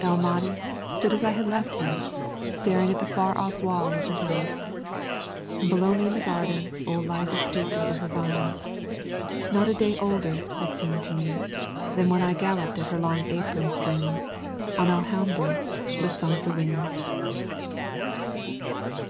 El Mahdi stood as I had left him, staring at the far off wall of the Hills; and below me in the garden old Liza stooped over her vines, not a day older, it seemed to me, than when I galloped at her long apron strings on Alhambra the Son of the Wind.